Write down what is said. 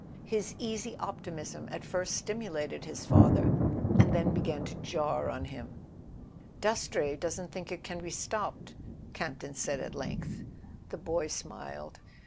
His easy op¬ timism at first stimulated his father, and then began to jar on him. "Dastrey doesn't think it can be stopped," Camp ton said at length. The boy smiled.